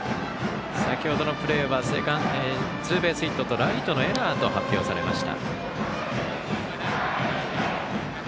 先ほどのプレーはツーベースヒットとライトのエラーと発表されました。